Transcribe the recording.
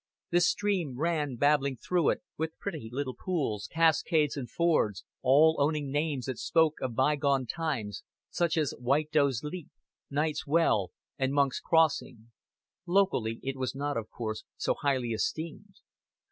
The stream ran babbling through it, with pretty little pools, cascades, and fords, all owning names that spoke of bygone times such as White Doe's Leap, Knight's Well, and Monk's Crossing. Locally it was not, of course, so highly esteemed.